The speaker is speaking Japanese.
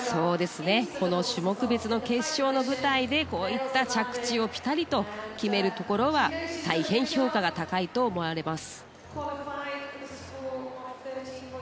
種目別の決勝の舞台でこういった着地をピタリと決めるところは大変、評価が高いと思われます。